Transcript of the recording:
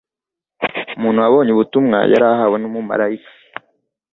umuntu wabonye ubutumwa yari ahawe n'umumarayika